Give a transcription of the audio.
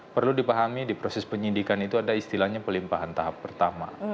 perlu dipahami di proses penyidikan itu ada istilahnya pelimpahan tahap pertama